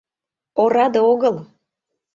Ораде огыл...